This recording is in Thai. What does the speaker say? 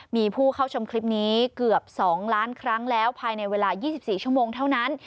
มีผู้เข้าชมคลิปนี้เกือบ๒ล้านครั้งแล้วภายในเวลา๒๔ชั่วโมงเท่านั้น